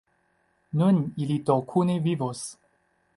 Nun ili do kune vivos!